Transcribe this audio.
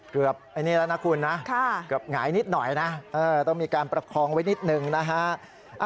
เกือบอันนี้แล้วนะคุณนะแก่งายนิดหน่อยนะต้องมีการประคองไว้นิดหนึ่งนะฮะ